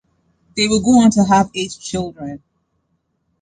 They would go on to have eight children.